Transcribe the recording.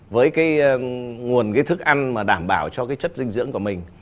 với cái nguồn cái thức ăn mà đảm bảo cho cái chất dinh dưỡng của mình